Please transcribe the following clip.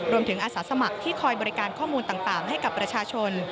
อาสาสมัครที่คอยบริการข้อมูลต่างให้กับประชาชน